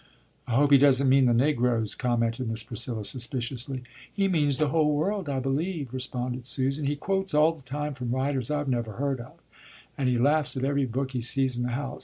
"I hope he doesn't mean the negroes," commented Miss Priscilla suspiciously. "He means the whole world, I believe," responded Susan. "He quotes all the time from writers I've never heard of, and he laughs at every book he sees in the house.